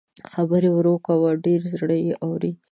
خبرې ورو کوه چې زړه یې اوري